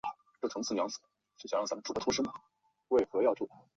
校长何伟在每年的开学典礼时会手持一块红砖进行演讲。